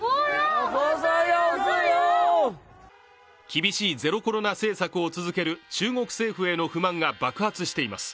厳しいゼロコロナ政策を続ける中国政府への不満が爆発しています。